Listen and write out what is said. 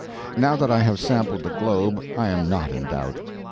Now that I have sampled the globe, I am not in doubt.